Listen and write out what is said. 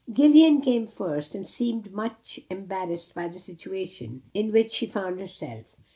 Gillian came first, and seemed much embarrassed by the situation in which she found herself.